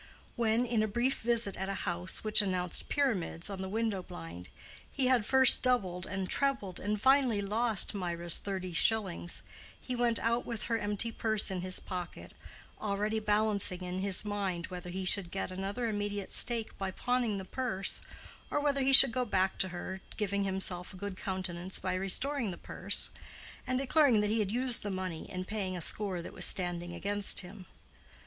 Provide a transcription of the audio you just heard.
When, in a brief visit at a house which announced "Pyramids" on the window blind, he had first doubled and trebled and finally lost Mirah's thirty shillings, he went out with her empty purse in his pocket, already balancing in his mind whether he should get another immediate stake by pawning the purse, or whether he should go back to her giving himself a good countenance by restoring the purse, and declaring that he had used the money in paying a score that was standing against him.